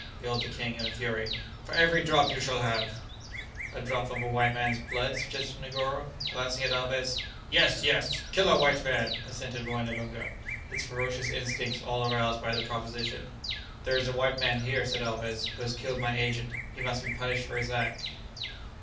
yelled the king, in a fury. "For every drop you shall have ..." "A drop of a white man's blood!" suggested Negoro, glancing at Alvez. "Yes, yes; kill a white man," assented Moené Loonga, his ferocious instincts all aroused by the proposition. "There is a white man here," said Alvez, "who has killed my agent. He must be punished for his act."